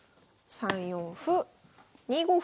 ３四歩２五歩。